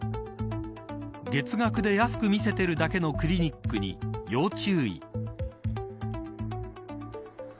月額で安く見せてるだけのクリニックに要注意。